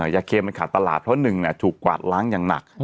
ยาเคมันขาดตลาดเพราะหนึ่งถูกกวาดล้างอย่างหนัก